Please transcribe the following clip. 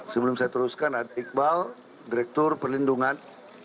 sebelum saya teruskan ada iqbal direktur perlindungan